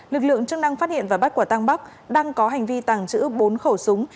lực lượng chức năng phát hiện và bắt quả tăng bắc đang có hành vi tàng trữ bốn khẩu súng